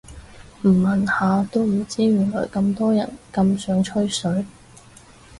唔問下都唔知原來咁多人咁想吹水